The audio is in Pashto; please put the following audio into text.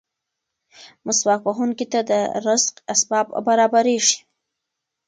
مسواک وهونکي ته د رزق اسباب برابرېږي.